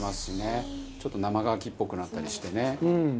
ちょっと生乾きっぽくなったりしてね。